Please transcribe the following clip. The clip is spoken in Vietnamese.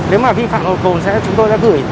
nếu mà vi phạm hồ cồn sẽ chúng tôi đã gửi